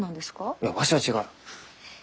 いやわしは違う。